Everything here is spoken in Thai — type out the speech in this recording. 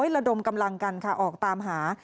ระดมกำลังกันค่ะออกตามหา